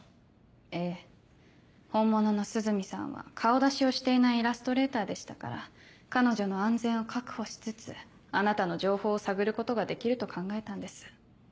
ええ本物の涼見さんは顔出しをしていないイラストレーターでしたから彼女の安全を確保しつつあなたの情報を探ることができると考えたんです。